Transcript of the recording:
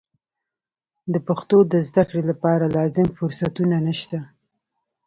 د پښتو د زده کړې لپاره لازم فرصتونه نشته.